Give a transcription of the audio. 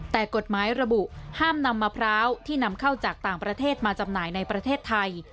แต่กฎหมายระบุห้ามนำมะพร้าวที่นำเข้าจากต่างประเทศมาจำหน่ายในประเทศไทย